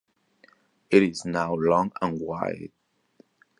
It is now long and wide.